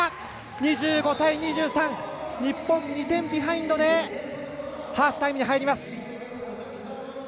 ２５対２３、日本２点ビハインドでハーフタイムに入ります。